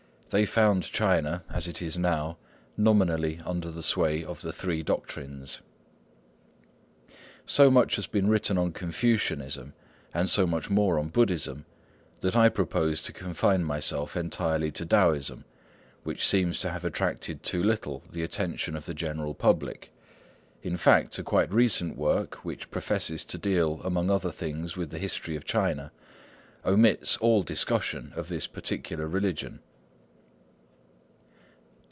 They found China, as it is now, nominally under the sway of the Three Doctrines. So much has been written on Confucianism, and so much more on Buddhism, that I propose to confine myself entirely to Taoism, which seems to have attracted too little the attention of the general public. In fact, a quite recent work, which professes to deal among other things with the history of China, omits all discussion of this particular religion.